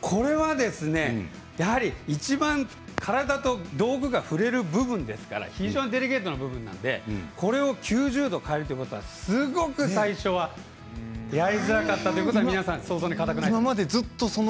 これは、やはり一番体と道具が触れる部分ですから非常にデリケートな部分なのでこれを９０度変えるということはすごく最初はやりづらかったということは皆さん想像に難くないと思います。